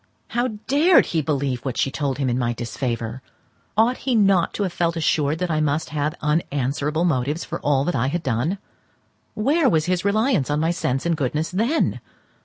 How dared he believe what she told him in my disfavour! Ought he not to have felt assured that I must have unanswerable motives for all that I had done? Where was his reliance on my sense and goodness then?